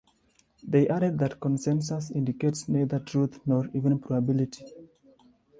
They added that consensus indicates neither truth nor even probability.